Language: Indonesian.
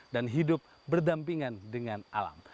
dan hidup berdampingan dengan alam